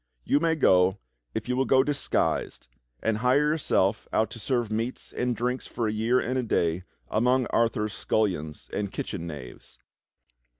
"You may go if you will go disguised, and hire yourself out to serve meats and drinks for a year and a day among Arthur's scullions and kitchen knaves."